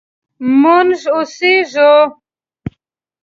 مونږ اوسیږو